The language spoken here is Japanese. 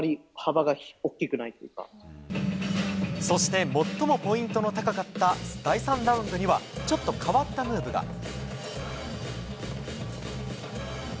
そして最もポイントの高かった第３ラウンドにはちょっと変わったムーブが。